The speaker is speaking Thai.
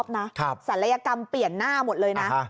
นะครับศัลยกรรมเปลี่ยนหน้าหมดเลยนะอะฮะ